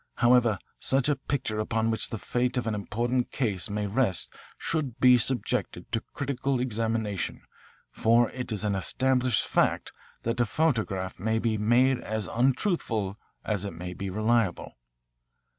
However, such a picture upon which the fate of an important case may rest should be subjected to critical examination for it is an established fact that a photograph may be made as untruthful as it may be reliable.